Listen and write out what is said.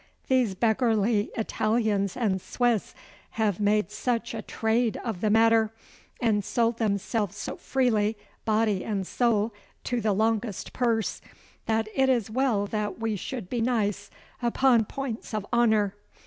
'These beggarly Italians and Swiss have made such a trade of the matter, and sold themselves so freely, body and soul, to the longest purse, that it is well that we should be nice upon points of honour.